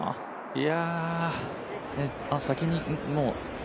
いや。